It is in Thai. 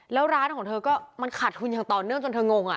แล้วร้านของเธอก็มันขาดทุนอย่างต่อเนื่องจนเธองง